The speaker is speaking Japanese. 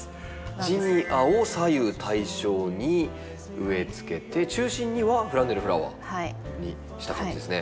ジニアを左右対称に植えつけて中心にはフランネルフラワーにした感じですね。